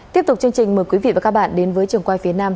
tiếp tục chương trình mời quý vị và các bạn đến với trường quay phía nam